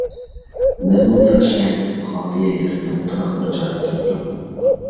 مەزمۇنى ياخشىكەن. قاپىيە، رىتىم، تۇراقلىرى جايىدا كەپتۇ.